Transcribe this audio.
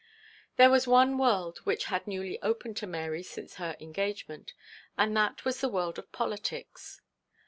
There was one world which had newly opened to Mary since her engagement, and that was the world of politics.